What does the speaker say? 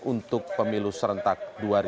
untuk pemilu serentak dua ribu sembilan belas